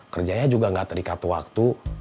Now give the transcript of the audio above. kerjanya juga gak terikat waktu